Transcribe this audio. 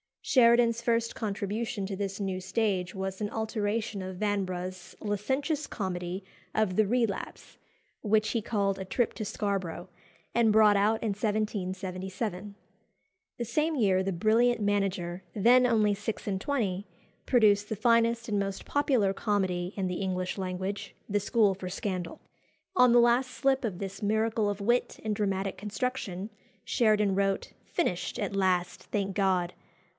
Sheridan's first contribution to this new stage was an alteration of Vanbrugh's licentious comedy of "The Relapse," which he called "A Trip to Scarborough," and brought out in 1777. The same year the brilliant manager, then only six and twenty, produced the finest and most popular comedy in the English language, "The School for Scandal." On the last slip of this miracle of wit and dramatic construction Sheridan wrote "Finished at last, thank God!